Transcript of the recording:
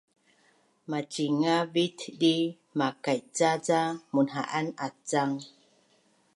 Macingavit dii makaica ca munha’an acang?